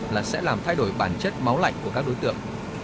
hy vọng là sẽ làm thay đổi bản chất máu lạnh của các đối tượng